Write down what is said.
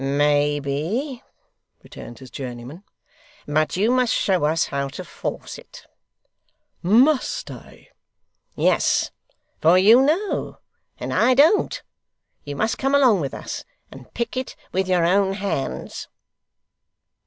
'Maybe,' returned his journeyman, 'but you must show us how to force it.' 'Must I!' 'Yes; for you know, and I don't. You must come along with us, and pick it with your own hands.